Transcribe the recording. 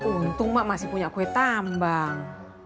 untung mbak masih punya kue tambang